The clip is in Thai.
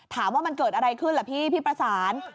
ถามว่ามันเกิดอะไรขึ้นล่ะพี่พี่ประสาน